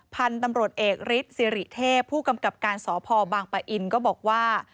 พันธุ์ตำรวจเอกฤทธิ์สิริเทพผู้กำกับการสพบางปะอินก็บอกว่า